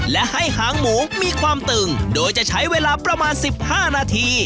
และให้หางหมูมีความตึงโดยจะใช้เวลาประมาณ๑๕นาที